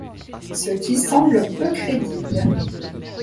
Ce qui semble peu crédible.